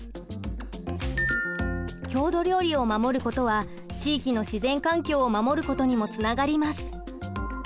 郷土料理を守ることは地域の自然環境を守ることにもつながります。